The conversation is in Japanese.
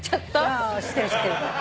いや知ってる知ってる。